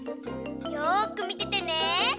よくみててね。